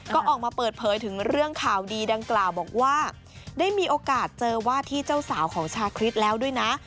ก็ออกมาเปิดเผยถึงเรื่องข่าวดีดังกล่าวบอกว่าได้มีโอกาสเจอว่าที่เจ้าสาวของชาคริสแล้วด้วยนะ